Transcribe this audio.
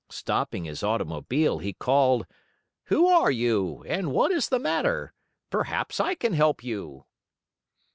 Stopping his automobile, he called: "Who are you, and what is the matter? Perhaps I can help you."